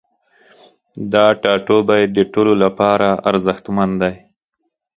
دا ټاتوبی د ټولو لپاره ارزښتمن دی